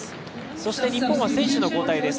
そして日本は選手の交代です。